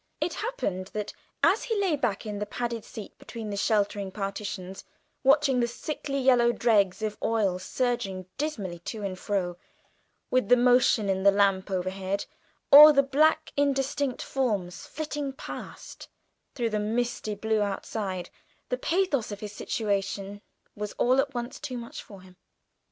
It happened that, as he lay back in the padded seat between the sheltering partitions, watching the sickly yellow dregs of oil surging dismally to and fro with the motion in the lamp overhead, or the black indistinct forms flitting past through the misty blue outside, the pathos of his situation became all at once too much for him.